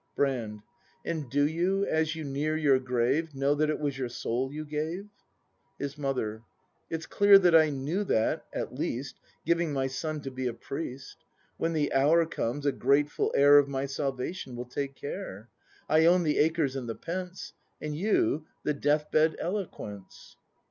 Brand. And do you, as you near your grave. Know that it was your soul you gave ? His Mother. It's clear that I knew that, at least, Giving my son to be a priest. When the hour comes, a grateful heir Of my salvation will take care; I own the acres and the pence, And you the deathbed eloquence.